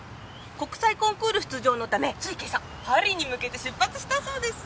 国際コンクール出場のためつい今朝パリに向けて出発したそうです。